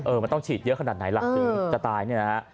มันต้องฉีดเยอะขนาดไหนล่ะถึงจะตายเนี่ยนะฮะ